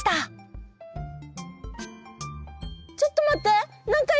ちょっと待って。